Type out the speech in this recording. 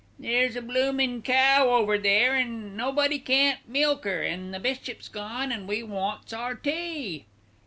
"There's a bloomin' cow over there and nobody can't milk 'er, an' the bishop's gone, and we wants our tea."